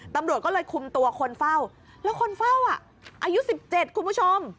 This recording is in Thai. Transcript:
ตำรวจก็เลยคุมตัวคนเฝ้าแล้วคนเฝ้าอ่ะอายุ๑๗คุณผู้ชม